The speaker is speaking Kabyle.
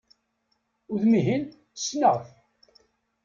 Udem-ihin, ssneɣ-t!